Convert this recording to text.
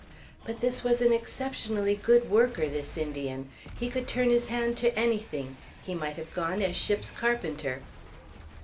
"But this was an exceptionally good worker, this Indian; he could turn his hand to anything; he might have gone as ship's carpenter."